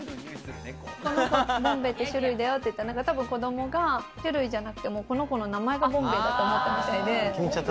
この子、ボンベイっていう種類だよって言ったら、種類じゃなくて、この子の名前がボンベイだと思ったみたいで。